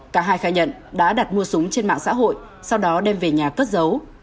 cả hai khai nhận đã đặt mua súng trên mạng xã hội sau đó đem về nhà cất giấu